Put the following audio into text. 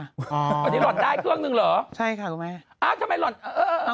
วันนี้หล่อนได้เครื่องหนึ่งเหรอใช่ค่ะคุณแม่อ้าวทำไมหล่อนเออ